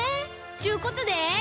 ちゅうことで。